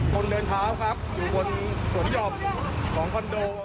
คนเดินเท้าครับอยู่บนสวนหย่อมของคอนโด